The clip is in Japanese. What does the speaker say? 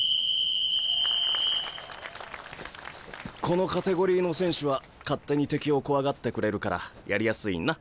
このカテゴリーの選手は勝手に敵を怖がってくれるからやりやすいな。